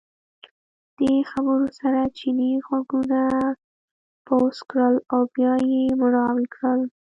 دې خبرو سره چیني غوږونه بوڅ کړل او بیا یې مړاوي کړل.